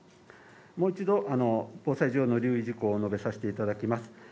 もう一度防災上の留意事項を述べさせていただきます